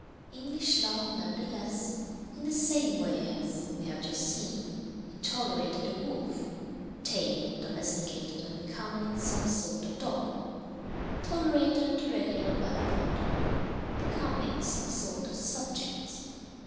English law, nevertheless, in the same way as (we have just seen) it tolerated the wolf, tamed, domesticated, and become in some sort a dog, tolerated the regular vagabond, become in some sort a subject.